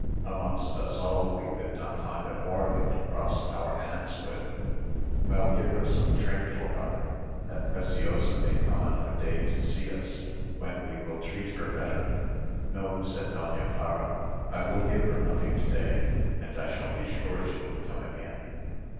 Amongst us all we could not find a quarto to cross our hands with." "Well, give her some trinket or another, that Preciosa may come another day to see us, when we will treat her better." "No," said Doña Clara, "I will give her nothing to day, and I shall be sure she will come again."